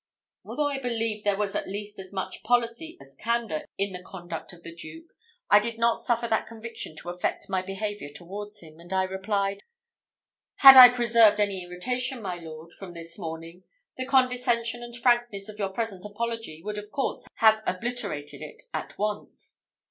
Although I believed there was at least as much policy as candour in the conduct of the Duke, I did not suffer that conviction to affect my behaviour towards him, and I replied, "Had I preserved any irritation, my lord, from this morning, the condescension and frankness of your present apology would of course have obliterated it at once."